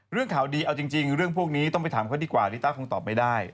เรื่องข่าวดีเอาจริงเรื่องพวกนี้ต้องไปถามเขาดีกว่าลิต้าคงตอบไม่ได้